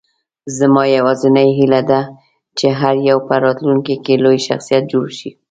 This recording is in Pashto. زما یوازینۍ هیله ده، چې هر یو په راتلونکې کې لوی شخصیت جوړ شي.